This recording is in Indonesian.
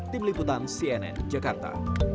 tim liputan cnn jakarta